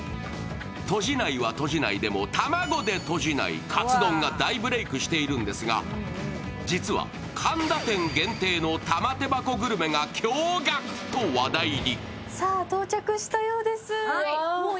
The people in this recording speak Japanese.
とじないはとじないでも卵でとじないカツ丼が大ブレイクしているんですが、実は神田店限定の玉手箱グルメが驚がくと話題に。